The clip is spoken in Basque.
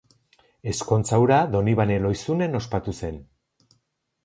Ezkontza hura Donibane Lohizunen ospatu zen.